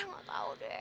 gak tau deh